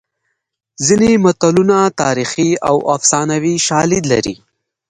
ځینې متلونه تاریخي او افسانوي شالید لري